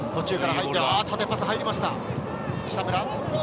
縦パスが入りました、北村。